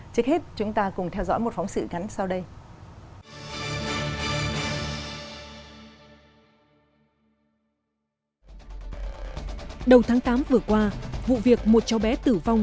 trước hết chúng ta cùng theo dõi một phóng